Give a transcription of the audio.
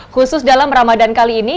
khusus dalam ramadan kali ini